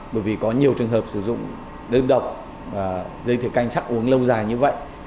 bởi vì có nhiều trường hợp sử dụng đơn độc và dây thiều canh sắc uống lâu dài như vậy